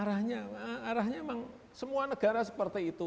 arahnya emang semua negara seperti itu